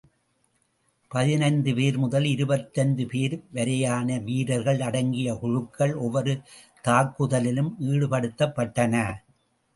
பதினைந்து பேர் முதல் இருபத்தைந்து பேர் வரையான வீரர்கள் அடங்கிய குழுக்கள் ஒவ்வொரு தாக்குதலிலும் ஈடுபடுத்தப்பட்டன.